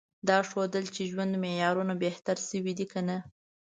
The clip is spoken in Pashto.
دا ښودل چې ژوند معیارونه بهتر شوي دي که نه؟